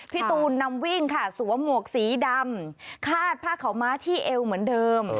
พี่ตูนนำวิ่งค่ะสวมหมวกสีดำคาดผ้าขาวม้าที่เอวเหมือนเดิม